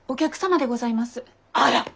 あら！